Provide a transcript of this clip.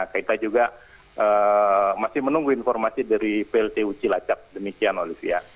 kita juga masih menunggu informasi dari pltu cilacap demikian olivia